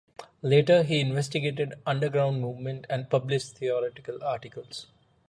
Later he investigated underground movement and published theoretical articles.